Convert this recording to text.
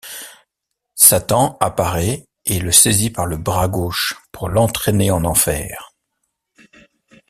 Satan apparait et le saisit par le bras gauche pour l'entrainer en enfer.